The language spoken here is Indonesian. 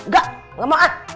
gak gak mau an